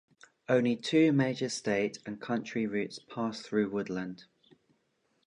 Only two major state and county routes pass through Woodland.